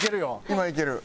今いける。